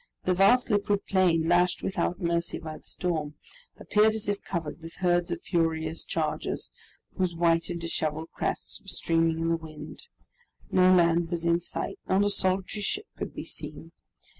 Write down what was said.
The vast liquid plain, lashed without mercy by the storm, appeared as if covered with herds of furious chargers, whose white and disheveled crests were streaming in the wind. No land was in sight, not a solitary ship could be seen.